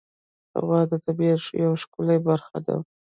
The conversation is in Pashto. غوا د طبیعت یوه ښکلی برخه ده.